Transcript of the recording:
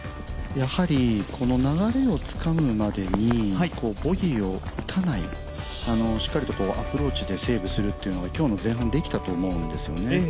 やはり、この流れをつかむまでに、ボギーを打たないしっかりとアプローチでセーブするというのが今日の前半できたと思うんですよね。